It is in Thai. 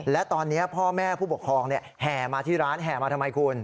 และตอนนี้พ่อแม่ผู้ปกครองแห่มาที่ร้านแห่มาทำไมคุณ